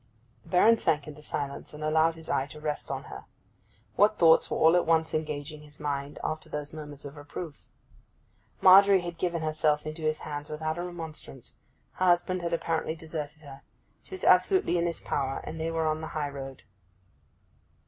The Baron sank into silence, and allowed his eye to rest on her. What thoughts were all at once engaging his mind after those moments of reproof? Margery had given herself into his hands without a remonstrance, her husband had apparently deserted her. She was absolutely in his power, and they were on the high road.